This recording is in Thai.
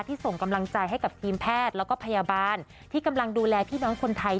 ส่งกำลังใจให้กับทีมแพทย์แล้วก็พยาบาลที่กำลังดูแลพี่น้องคนไทย